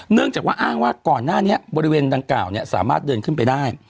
เนื่องจากว่าอ้างว่าก่อนหน้านี้บริเวณดังกล่าวสามารถเดินขึ้นไปได้